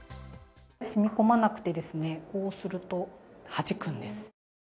染み込まなくてですねこうするとはじくんです